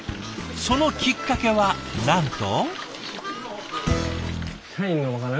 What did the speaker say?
そのきっかけはなんと。